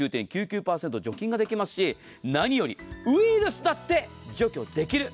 除菌ができますし何よりウイルスだって除去できる。